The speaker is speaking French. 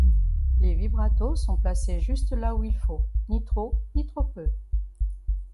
Les vibratos sont placés juste là où il faut, ni trop, ni trop peu.